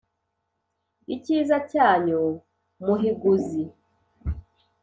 Icyiza cyanyu Muhiguzi